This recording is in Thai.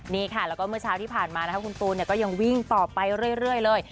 นี่ค่ะแล้วก็เมื่อเช้าที่ผ่านมานะคะคุณตูนก็ยังวิ่งต่อไปเรื่อยเลย